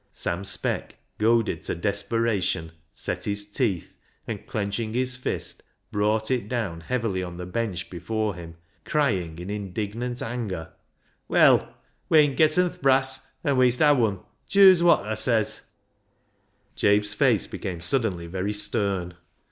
Sam Speck, goaded to desperation, set his teeth, and, clenching his fist, brought it down heavily on the bench before him, crying in indignant an<7er — THE HARMONIUM 337 " Well, we'en getten th' brass, an' wee'st ha' wun, chuse wot thaa says." Jabe's face became suddenly very stern.